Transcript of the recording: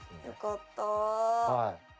よかった。